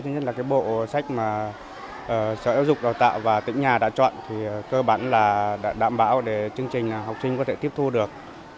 thứ nhất là cái bộ sách mà sở giáo dục đào tạo và tỉnh nhà đã chọn thì cơ bản là đã đảm bảo để chương trình học sinh có thể tiếp thu được